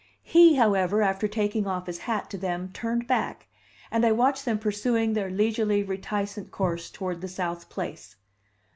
He, however, after taking off his hat to them, turned back, and I watched them pursuing their leisurely, reticent course toward the South Place.